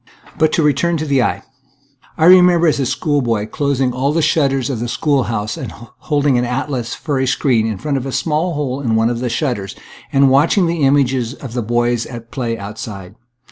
But to return to the eye. I remember as a schoolboy closing all the shutters of the school house and holding an atlas for a screen in front of a small hole in one of the shutters, and watching the images of the boys at play outside.